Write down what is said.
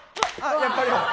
やっぱり。